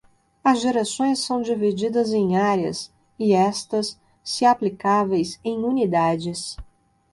As direções são divididas em áreas, e estas, se aplicáveis, em unidades.